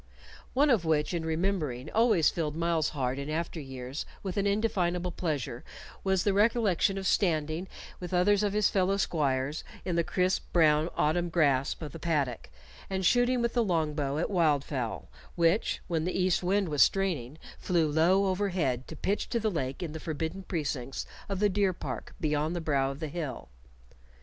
One of which, in remembering, always filled Myles's heart in after years with an indefinable pleasure, was the recollection of standing with others of his fellow squires in the crisp brown autumn grass of the paddock, and shooting with the long bow at wildfowl, which, when the east wind was straining, flew low overhead to pitch to the lake in the forbidden precincts of the deer park beyond the brow of the hill.